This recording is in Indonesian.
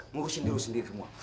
ngurusin diri sendiri semua